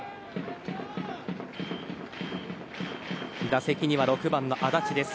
打席には６番の安達です。